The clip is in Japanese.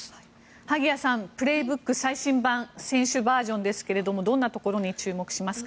萩谷さん「プレーブック」最新版選手バージョンですがどんなところに注目しますか？